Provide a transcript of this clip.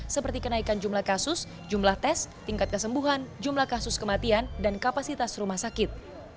seperti kenaikan jumlah kasus jumlah tes tingkat kesembuhan jumlah kasus kematian dan kapasitas rumah sakit